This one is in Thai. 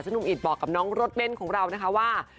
หนุ่มอิตบอกกับน้องรถเบ้นของเรานะคะว่า